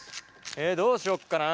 えどうしよっかな。